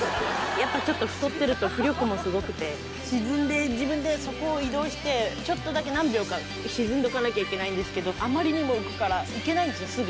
やっぱ太ってると、浮力もすごくて、沈んで、自分で底を移動して、ちょっとだけ何秒か沈んどかなきゃいけないんですけど、あまりにも浮くから行けないんですよ、すぐ。